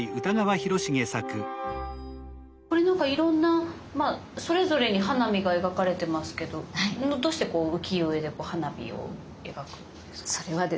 これなんかいろんなそれぞれに花火が描かれてますけどみんなどうしてこう浮世絵で花火を描くんですか？